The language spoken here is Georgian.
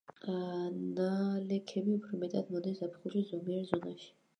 ნალექები უფრო მეტად მოდის ზაფხულში ზომიერ ზონაში.